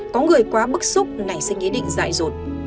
có người quá bức xúc nảy sinh ý định dại dột